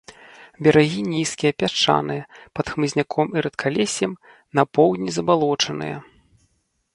Берагі нізкія, пясчаныя, пад хмызняком і рэдкалессем, на поўдні забалочаныя.